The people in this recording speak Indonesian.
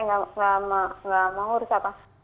nggak mau urus apa